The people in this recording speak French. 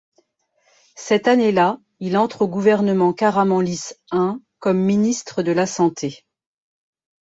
Cette année-là, il entre au gouvernement Karamanlís I comme ministre de la Santé.